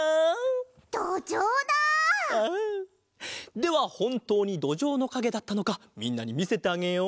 ではほんとうにどじょうのかげだったのかみんなにみせてあげよう！